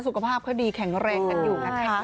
สุขภาพเขาดีแข็งแรงกันอยู่นะคะ